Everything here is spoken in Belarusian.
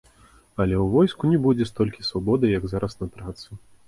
Але ў войску не будзе столькі свабоды, як зараз на працы.